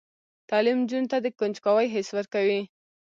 تعلیم نجونو ته د کنجکاوۍ حس ورکوي.